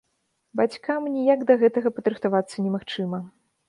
Бацькам ніяк да гэтага падрыхтавацца немагчыма.